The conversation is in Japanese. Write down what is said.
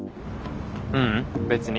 ううん別に。